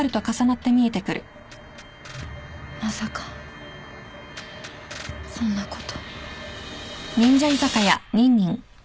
まさかそんなこと。